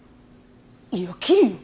いや切るよ。